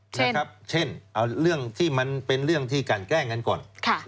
เช่นเช่นเรื่องที่มันเป็นเรื่องที่การแกล้งกันก่อน